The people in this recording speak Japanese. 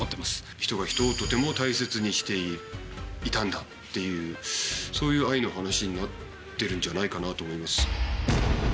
人が人をとても大切にしていたんだっていうそういう愛の話になってるんじゃないかなと思います。